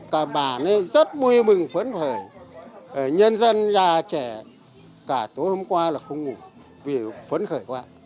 cả bản rất vui mình phấn khởi nhân dân già trẻ cả tối hôm qua là không ngủ vì phấn khởi quá